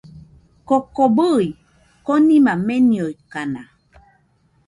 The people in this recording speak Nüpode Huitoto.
Koko bɨe, konima meniokaina